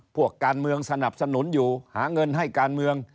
พวกการเมืองสนับสนุนอยู่หาเงินให้การเมือง